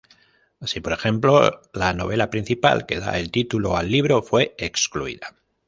Así por ejemplo la novela principal que da el título al libro fue excluida.